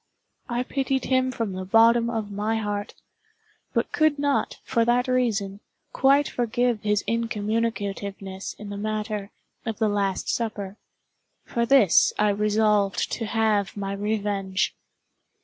I pitied him from the bottom of my heart—but could not, for that reason, quite forgive his incommunicativeness in the matter of the "Last Supper." For this I resolved to have my revenge.